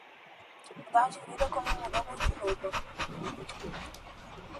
mudar de vida como mudamos de roupa